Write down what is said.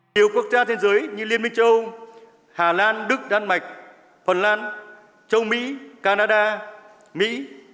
nhiều quốc gia thế giới như liên minh châu âu hà lan đức đan mạch phần lan châu mỹ canada mỹ